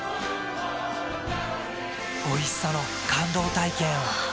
おいしさの感動体験を。